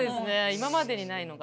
今までにないのが。